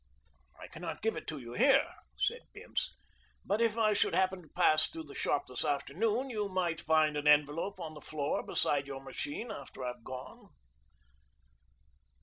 "I cannot give it to you here," said Bince, "but if I should happen to pass through the shop this afternoon you might find an envelope on the floor beside your machine after I have gone."